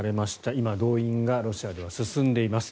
今、動員がロシアでは進んでいます。